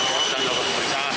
orang sudah melakukan penyekatan